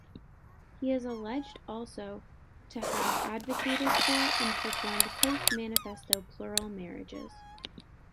He is alleged also to have advocated for and performed post-Manifesto plural marriages.